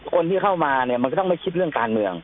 คนที่เข้ามาเนี่ยมันก็ต้องไม่คิดเรื่องการเมือง